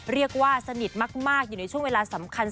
เรียกว่าสนิทมากอยู่ในช่วงเวลาสำคัญ